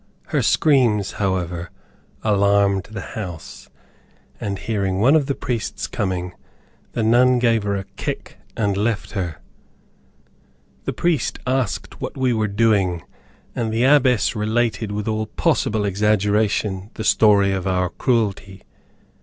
Her screams, however, alarmed the house, and hearing one of the priests coming, the nun gave her a kick and left her. The priest asked what we were doing, and the Abbess related with all possible exaggeration, the story of our cruelty.